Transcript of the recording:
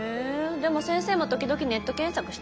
でも先生も時々ネット検索してますよね。